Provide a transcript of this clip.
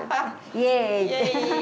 イエイ！